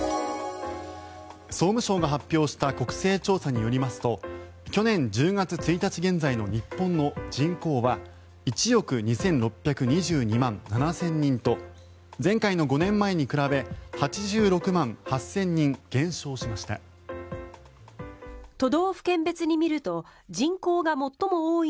総務省が発表した国勢調査によりますと去年１０月１日現在の日本の人口は１億２６２２万７０００人と前回の５年前に比べ８６万８０００人減少しました。